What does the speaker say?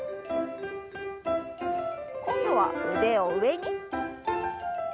今度は腕を上に。